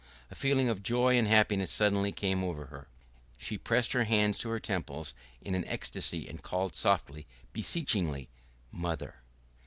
A feeling of joy and happiness suddenly came over her, she pressed her hands to her temples in an ecstacy, and called softly, beseechingly: "Mother!"